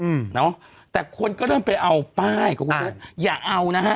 หือเนอะแต่คนก็เริ่มไปเอาปลายก็บอกว่าอย่าเอานะฮะ